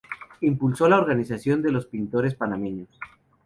Impulsó la organización de los pintores panameños.